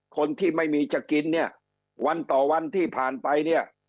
คนที่ไม่มีจะกินเนี่ยวันต่อวันที่ผ่านไปเนี่ย